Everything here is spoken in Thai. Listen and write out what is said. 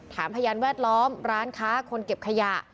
พยานแวดล้อมร้านค้าคนเก็บขยะ